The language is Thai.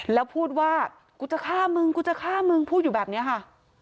แล้วพูดว่ากูจะฆ่ามึงกูจะฆ่ามึงพูดอยู่แบบนี้ค่ะ